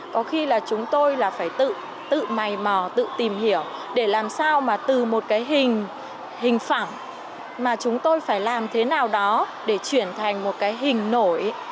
có khi là chúng tôi là phải tự mày mò tự tìm hiểu để làm sao mà từ một cái hình hình mà chúng tôi phải làm thế nào đó để chuyển thành một cái hình nổi